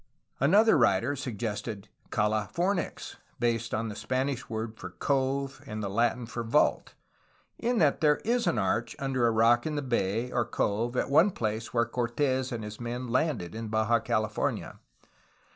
Another writer suggested '^Cala fornix," based on the Spanish word for ''cove" and the Latin for "vault," in that there is an arch under a rock in the bay, or cove, at one place where Cortes and his men landed in Baja California.